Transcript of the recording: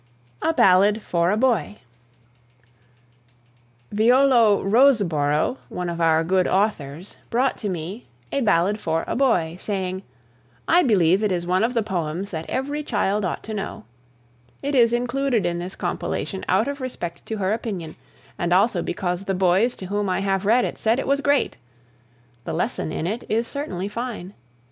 A BALLAD FOR A BOY. Violo Roseboro, one of our good authors, brought to me "A Ballad for a Boy," saying: "I believe it is one of the poems that every child ought to know." It is included in this compilation out of respect to her opinion and also because the boys to whom I have read it said it was "great," The lesson in it is certainly fine.